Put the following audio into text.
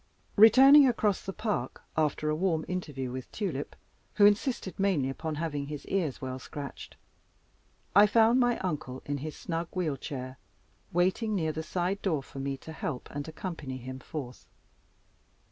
Returning across the park, after a warm interview with "Tulip," who insisted mainly upon having his ears well scratched, I found my uncle in his snug wheel chair, waiting near the side door for me to help and accompany him forth.